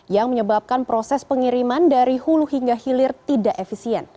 yang menyebabkan proses pengiriman dari hulu hingga hilir tidak efisien